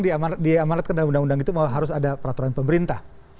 karena memang diamanatkan oleh undang undang itu harus ada peraturan pemerintah